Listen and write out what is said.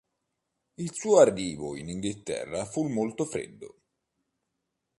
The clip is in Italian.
Il suo arrivo in Inghilterra fu molto freddo.